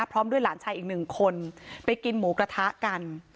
พร้อมด้วยหลานชายอีกหนึ่งคนไปกินหมูกระทะกัน